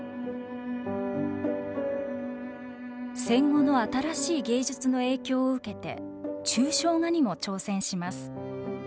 戦後の新しい芸術の影響を受けて抽象画にも挑戦します。